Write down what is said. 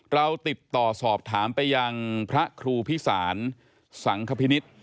เราติดต่อสอบถามไปยังพระครูพิสารสังคพินิษฐ์